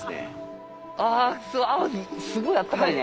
あすごいあったかいね。